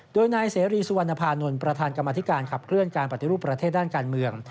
โดยนายเสรีสุวรรณภานนท์ประธานกรรมธิการขับเคลื่อนการปฏิรูปประเทศด้านการเมือง